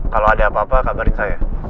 kalau ada apa apa kabarin saya